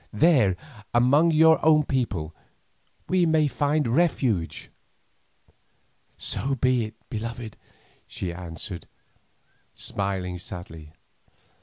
There, among your own people, we may find refuge." "So be it, beloved," she answered, smiling sadly.